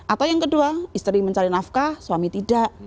atau yang kedua istri mencari nafkah suami tidak